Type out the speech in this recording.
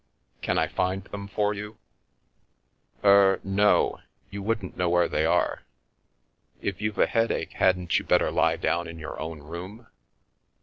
" Can I find them for you ?"" Er — no — you wouldn't know where they are. If you've a headache hadn't you better lie down in your own room?